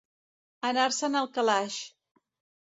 Anar-se'n al calaix.